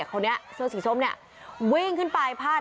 คนนี้เสื้อสีส้มเนี่ยวิ่งขึ้นไปพาด